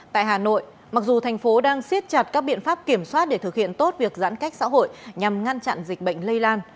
tại hà nội mặc dù thành phố đang siết chặt các biện pháp kiểm soát để thực hiện tốt việc giãn cách xã hội nhằm ngăn chặn dịch bệnh lây lan